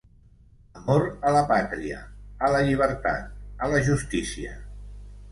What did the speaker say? Amor a la pàtria, a la llibertat, a la justícia.